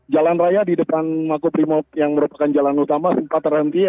jalan raya di depan makobrimob yang merupakan jalan utama sempat terhenti